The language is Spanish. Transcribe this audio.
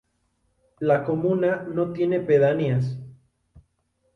La comuna no tiene pedanías.